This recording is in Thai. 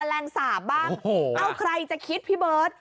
แรงสาบบ้างเอ้าใครจะคิดพี่เบิร์ต